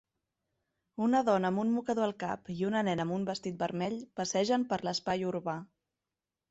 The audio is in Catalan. Una dona amb un mocador al cap i una nena amb un vestit vermell passegen per l'espai urbà.